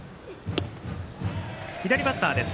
左バッターです